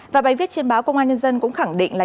và bài viết trên báo công an nhân dân cũng khẳng định là